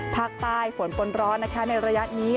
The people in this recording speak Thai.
ภาคใต้ฝนปนร้อนนะคะในระยะนี้